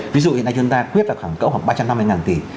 ví dụ hiện nay chúng ta quyết là khoảng ba trăm năm mươi tỷ